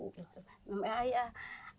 tidak tahu apa ya heck